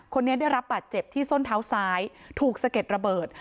คนนี้ได้รับบาดเจ็บที่ส้นเท้าซ้ายถูกสะเก็ดระเบิด